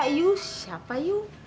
ayu siapa yu